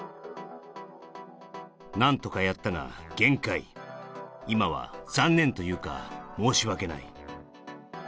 何とかやったが限界、今は残念というか、申し訳ない。